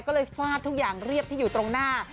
ก็เลยฟาดทุกอย่างเรียบที่อยู่ตรงหน้า